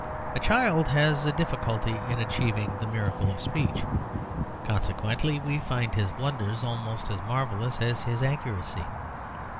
A child has a difficulty in achieving the miracle of speech, consequently we find his blunders almost as marvellous as his accuracy.